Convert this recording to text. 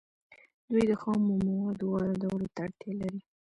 دوی د خامو موادو واردولو ته اړتیا لري